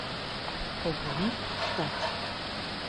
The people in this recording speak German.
Programm statt.